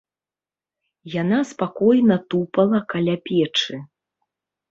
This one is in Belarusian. Яна спакойна тупала каля печы.